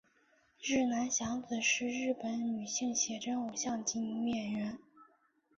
日南响子是日本女性写真偶像及女演员。